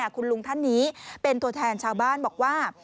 คุณลุงท่านนี้เป็นตัวแทนชาวบ้านบอกว่า